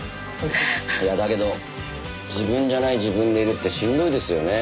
いやだけど自分じゃない自分でいるってしんどいですよね。